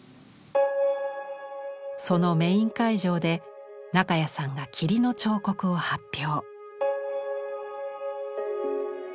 そのメイン会場で中谷さんが「霧の彫刻」を発表。